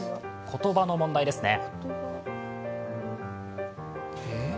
言葉の問題ですね。